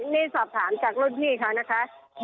นี่สอบถามจากรุ่นพี่เขานะคะ